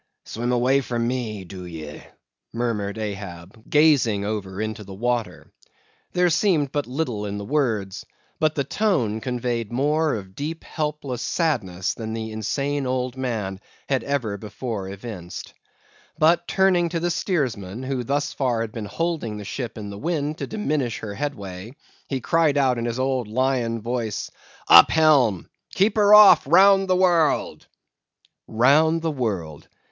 "Swim away from me, do ye?" murmured Ahab, gazing over into the water. There seemed but little in the words, but the tone conveyed more of deep helpless sadness than the insane old man had ever before evinced. But turning to the steersman, who thus far had been holding the ship in the wind to diminish her headway, he cried out in his old lion voice,—"Up helm! Keep her off round the world!" Round the world!